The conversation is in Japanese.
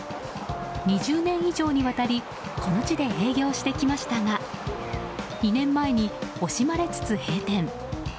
２０年以上にわたりこの地で営業してきましたが２年前に、惜しまれつつ閉店。